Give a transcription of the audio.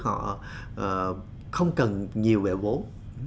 họ không cần nhiều vệ vốn